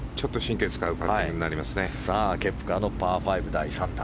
ケプカのパー５、第３打。